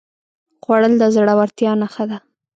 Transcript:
خوړل د زړورتیا نښه ده